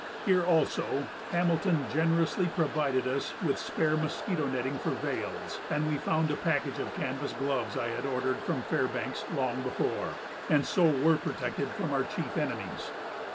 Here also Hamilton generously provided us with spare mosquito netting for veils, and we found a package of canvas gloves I had ordered from Fairbanks long before, and so were protected from our chief enemies.